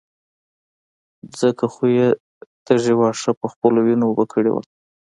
ځکه خو يې تږي واښه په خپلو وينو اوبه کړي وو.